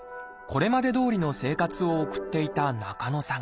これまでどおりの生活を送っていた中野さん。